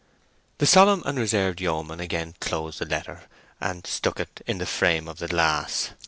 The solemn and reserved yeoman again closed the letter, and stuck it in the frame of the glass.